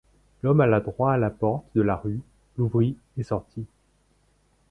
L’homme alla droit à la porte de la rue, l’ouvrit et sortit.